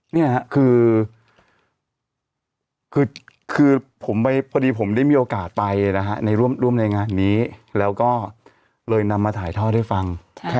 เนี่ยคือคือคือผมไปพอดีผมได้มีโอกาสไปนะฮะในร่วมร่วมในงานนี้แล้วก็เลยนำมาถ่ายท่อได้ฟัง